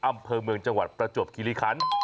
อำเภอเมืองจังหวัดประจวบคิริคัน